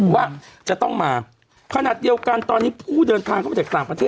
ว่าจะต้องมาขนาดเดียวกันตอนนี้ผู้เดินทางเข้ามาจากต่างประเทศ